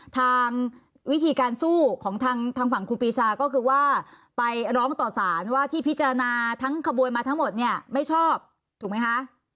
ทางวิธีการสู้ของทางฝั่งครูปีชาก็คือว่าไปร้องต่อสารว่าที่พิจารณาทั้งขบวนมาทั้งหมดเนี่ยไม่ชอบถูกไหมคะ